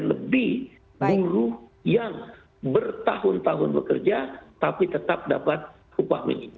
jadi kita bisa menggunakan upah yang lebih yang bertahun tahun bekerja tapi tetap dapat upah minimum